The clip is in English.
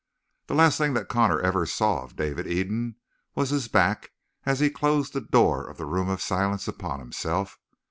The last thing that Connor ever saw of David Eden was his back as he closed the door of the Room of Silence upon himself.